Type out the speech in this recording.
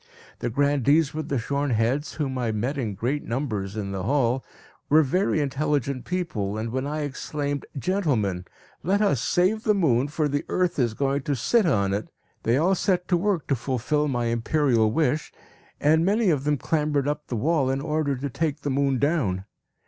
The grandees with the shorn heads, whom I met in great numbers in the hall, were very intelligent people, and when I exclaimed, "Gentlemen! let us save the moon, for the earth is going to sit on it," they all set to work to fulfil my imperial wish, and many of them clambered up the wall in order to take the moon down.